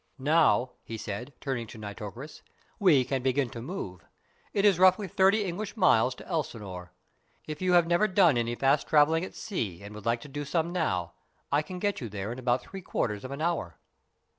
"Now," he said, turning to Nitocris, "we can begin to move. It is roughly thirty English miles to Elsinore. If you have never done any fast travelling at sea and would like to do some now, I can get you there in about three quarters of an hour."